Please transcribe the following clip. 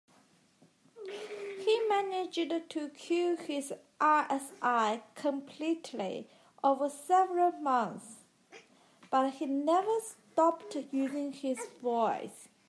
He managed to cure his RSI completely over several months, but he never stopped using his voice.